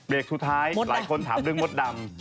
สุดท้ายหลายคนถามเรื่องมดดำ